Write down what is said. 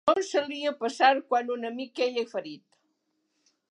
Com solia passar quan un amic queia ferit